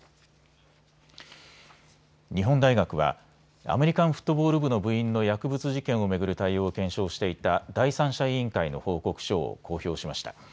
日本大学はアメリカンフットボール部の部員の薬物事件を巡る対応を検証していた第三者委員会の報告書を公表しました。